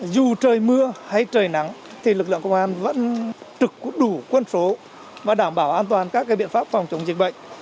dù trời mưa hay trời nắng thì lực lượng công an vẫn trực đủ quân số và đảm bảo an toàn các biện pháp phòng chống dịch bệnh